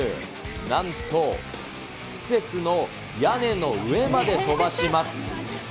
なんと、施設の屋根の上まで飛ばします。